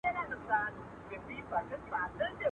څه راوړه، څه به يوسې.